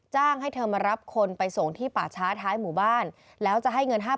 ให้เธอมารับคนไปส่งที่ป่าช้าท้ายหมู่บ้านแล้วจะให้เงิน๕๐๐